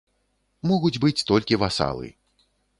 Могуць быць толькі васалы.